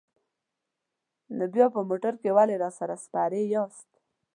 نو بیا په موټر کې ولې راسره سپرې یاست؟